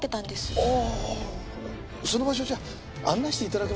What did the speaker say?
ああ。